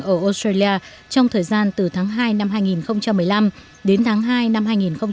ở australia trong thời gian từ tháng hai năm hai nghìn một mươi năm đến tháng hai năm hai nghìn một mươi tám